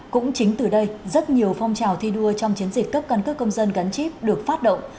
cũng chính từ đây rất nhiều phong trào thi đua trong chiến dịch cấp căn cước công dân gắn chip được phát động